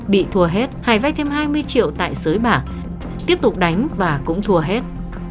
bị thua hết hải vay thêm hai mươi triệu tại sới bạc tiếp tục đánh và cũng thua hết